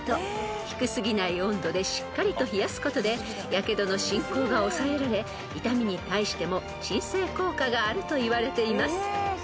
［低すぎない温度でしっかりと冷やすことでやけどの進行が抑えられ痛みに対しても鎮静効果があるといわれています］